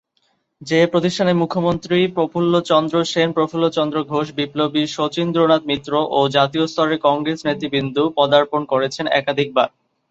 যে প্রতিষ্ঠানে মুখ্যমন্ত্রী প্রফুল্লচন্দ্র সেন, প্রফুল্লচন্দ্র ঘোষ, বিপ্লবী শচীন্দ্রনাথ মিত্র ও জাতীয় স্তরের কংগ্রেস নেতৃবৃন্দ পদার্পণ করেছেন একাধিকবার।